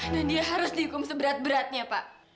dan dia harus dihukum seberat beratnya pak